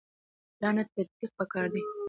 پلان نه تطبیق پکار دی